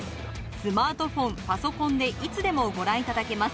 スマートフォン、パソコンでいつでもご覧いただけます。